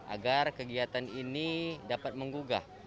agar kegiatan ini dapat menggugah